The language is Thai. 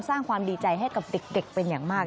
สร้างความดีใจให้กับเด็กเป็นอย่างมาก